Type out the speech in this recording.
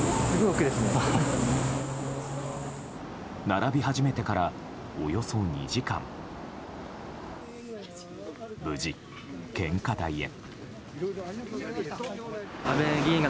並び始めてからおよそ２時間無事、献花台へ。